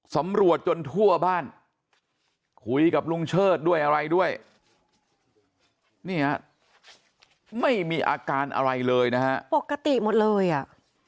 สำรวจจนทั่วบ้านคุยกับลุงเชิดด้วยอะไรด้วยนี่ฮะไม่มีอาการอะไรเลยนะฮะปกติหมดเลยอ่ะ